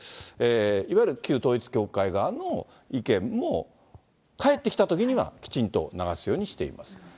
いわゆる旧統一教会側の意見も、返ってきたときには、きちんと流すようにしています。